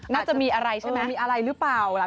น่าจะมีอะไรใช่ไหมมีอะไรหรือเปล่าล่ะ